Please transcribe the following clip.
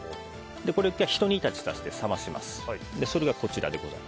ひと煮立ちさせて冷まします。